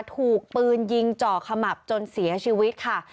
ถูกปืนยิงเจาะขมับจนเสียชีวิตค่ะ